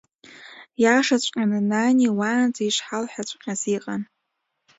Иашаҵәҟьаны Нани уаанӡа ишҳалҳәаҵәҟьаз иҟан.